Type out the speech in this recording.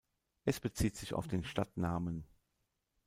Es bezieht sich auf den Stadtnamen.